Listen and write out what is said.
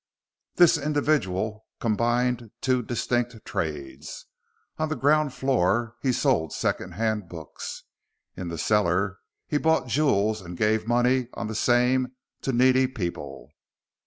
This individual combined two distinct trades. On the ground floor he sold second hand books; in the cellar he bought jewels and gave money on the same to needy people.